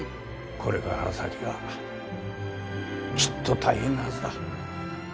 これから先はきっと大変なはずだ。